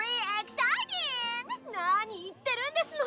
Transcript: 何言ってるんですの！